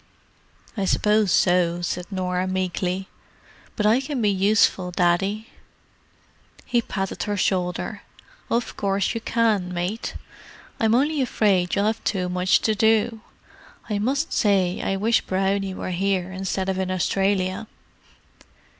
"I suppose so," said Norah meekly. "But I can be useful, Daddy." He patted her shoulder. "Of course you can, mate. I'm only afraid you'll have too much to do. I must say I wish Brownie were here instead of in Australia."